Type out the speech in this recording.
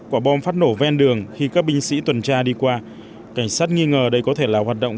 quả bom phát nổ ven đường khi các binh sĩ tuần tra đi qua cảnh sát nghi ngờ đây có thể là hoạt động